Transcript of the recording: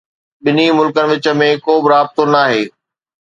ٻنهي ملڪن جي وچ ۾ ڪوبه رابطو ناهي.